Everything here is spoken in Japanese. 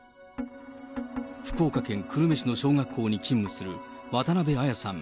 福岡県久留米市の小学校に勤務する渡辺彩さん